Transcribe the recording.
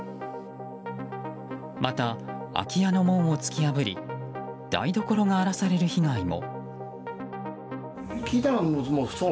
また、空き家の門を突き破り台所が荒らされる被害も。